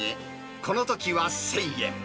このときは１０００円。